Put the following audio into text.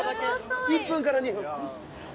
１分から２分。